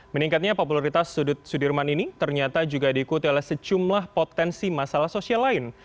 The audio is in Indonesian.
meningkatnya popularitas sudut sudirman ini ternyata juga diikuti oleh secumlah potensi masalah sosial lain